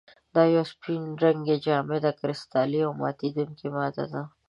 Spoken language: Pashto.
دا یوه سپین رنګې، جامده، کرسټلي او ماتیدونکې ماده ده.